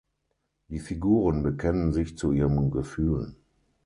Die Figuren bekennen sich zu ihren Gefühlen.